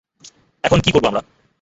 এখন কী করব আমরা?